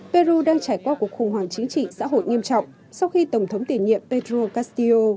peru đang trải qua cuộc khủng hoảng chính trị xã hội nghiêm trọng sau khi tổng thống tiền nhiệm petro kastio